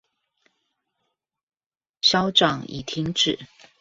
消長已停止